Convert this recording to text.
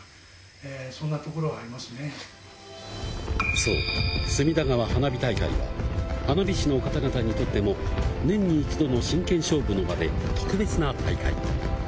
そう隅田川花火大会は、花火師の方々にとっても、年に一度の真剣勝負の場で特別な大会。